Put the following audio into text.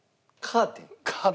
カーテン。